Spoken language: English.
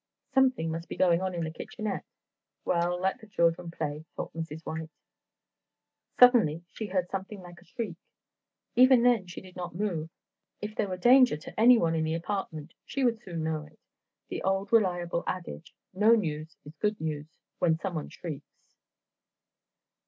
Something must be going on in the kitchenette. Well, let the children play, thought Mrs. White. Suddenly she heard something like a shriek! Even then she did not move. If there were danger to any one in the apartment she would soon know it—the old reliable adage—no news is good news, when someone shrieks.